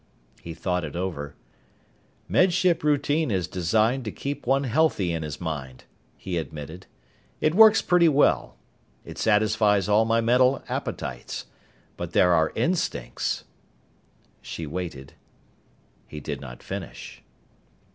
He thought it over. "Med Ship routine is designed to keep one healthy in his mind," he admitted. "It works pretty well. It satisfies all my mental appetites. But there are instincts...." She waited. He did not finish.